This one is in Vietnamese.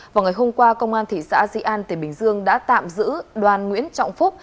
vào ngày hôm qua công an thị xã di an tỉnh bình dương đã tạm giữ đoàn nguyễn trọng phúc